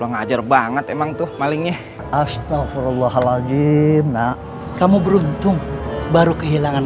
ngajar banget emang tuh malingnya astagfirullahaladzim nak kamu beruntung baru kehilangan